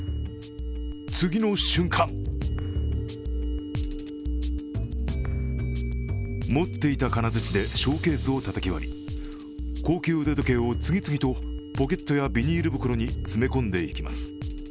次の瞬間持っていた金づちでショーケースをたたき割り高級腕時計を次々とポケットやビニール袋に詰め込んでいきます。